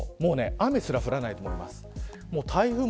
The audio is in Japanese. そうなると雨すら降らないと思います。